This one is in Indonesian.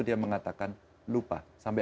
dia mengatakan lupa sampai